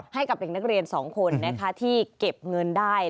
ให้กับเด็กนักเรียน๒คนที่เก็บเงินได้